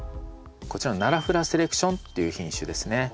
こちらのナラフラセレクションっていう品種ですね。